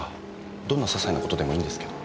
どんな些細な事でもいいんですけど。